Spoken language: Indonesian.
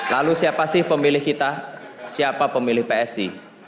lalu siapa sih pemilih kita siapa pemilih psi